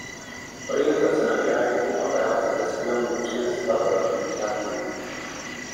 Orientace na keramiku a práci se sklem mu přinesla další uplatnění.